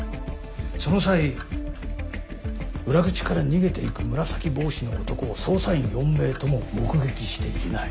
その際裏口から逃げていく紫帽子の男を捜査員４名とも目撃していない。